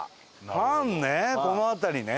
パンねこの辺りね。